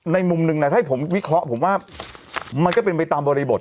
มุมหนึ่งนะถ้าให้ผมวิเคราะห์ผมว่ามันก็เป็นไปตามบริบท